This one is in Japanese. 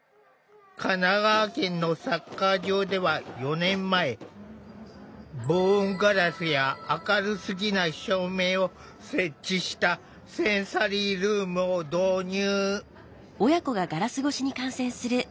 神奈川県のサッカー場では４年前防音ガラスや明るすぎない照明を設置したセンサリールームを導入。